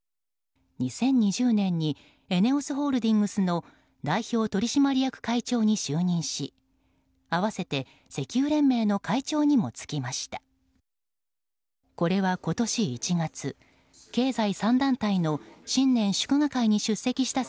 ２０２０年にＥＮＥＯＳホールディングスの代表取締役会長に就任し併せて石油連盟の会長にも就きました。